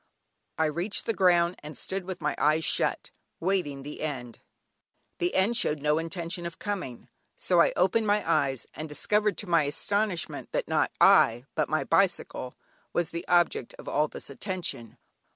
I reached the ground, and stood with my eyes shut waiting the end. The end showed no intention of coming, so I opened my eyes, and discovered to my astonishment that not I but my bicycle was the object of all this attention.